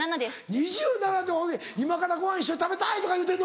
２７歳で今からごはん一緒に食べたいとか言うてんの？